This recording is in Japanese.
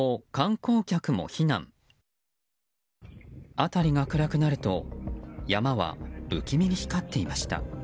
辺りが暗くなると山は不気味に光っていました。